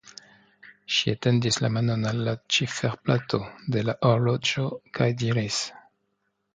Ŝi etendis la manon al la ciferplato de la horloĝo kaj diris.